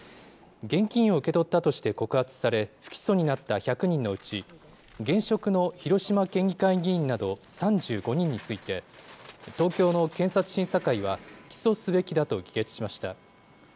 現金を受け取ったとして告発され、不起訴になった１００人のうち、現職の広島県議会議員など３５人について、東京の検察審査会は、起訴すべきだと議決しました。